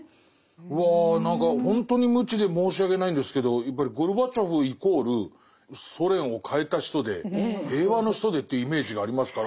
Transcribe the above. うわ何かほんとに無知で申し訳ないんですけどやっぱりゴルバチョフイコールソ連を変えた人で平和の人でというイメージがありますから。